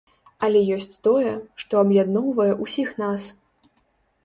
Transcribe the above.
Але ёсць тое, што аб'ядноўвае ўсіх нас.